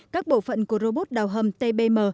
các bộ phận của robot đào hầm tbm